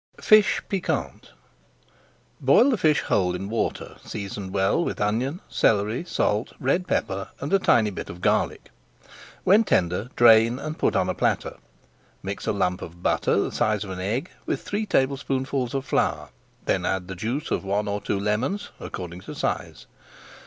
FISH PIQUANT Boil the fish whole in water seasoned well with onion, celery, salt, red pepper, and a tiny bit of garlic. When tender, drain, and put on a platter. Mix a lump of butter the size of an egg with three tablespoonfuls of flour, then add the juice of one or two lemons (according to size).